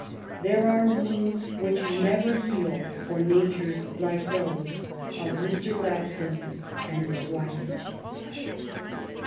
There are wounds which never heal for natures like those of Mr. Gladstone and his wife.